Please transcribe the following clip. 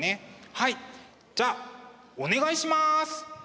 はいじゃあお願いします。